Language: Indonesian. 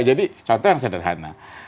jadi contoh yang sederhana